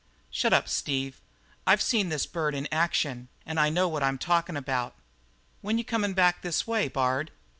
"Shut up, Steve. I've seen this bird in action and I know what I'm talking about. When you coming back this way, Bard?"